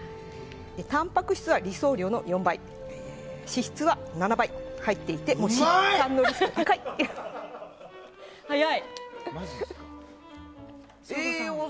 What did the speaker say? たんぱく質は理想量の４倍脂質は７倍入っています。